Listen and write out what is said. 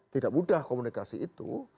tidak mudah komunikasi itu